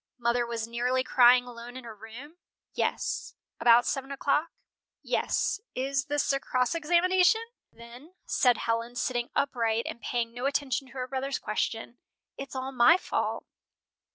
"Mother was nearly crying alone in her room?" "Yes." "About seven o'clock?" "Yes. Is this a cross examination?" "Then," said Helen, sitting upright and paying no attention to her brother's question, "it's all my fault."